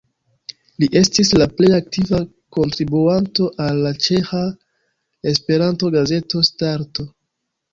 Li estis la plej aktiva kontribuanto al la ĉeĥa Esperanto-gazeto Starto.